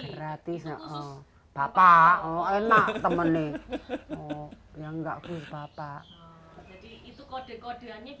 di dalam ini karena diimbuin oh gratis bapak enak temennya oh ya enggak terus bapak itu kode kode